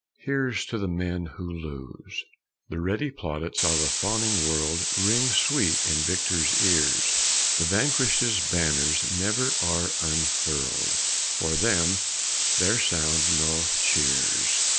Here's to the men who lose! The ready plaudits of a fawning world Ring sweet in victor's ears; The vanquished's banners never are unfurled For them there sound no cheers.